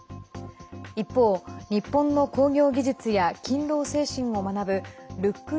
一方、日本の工業技術や勤労精神を学ぶルック